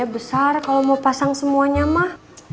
bisa besar kalo mau pasang semuanya mah